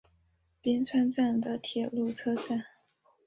边川站的铁路车站。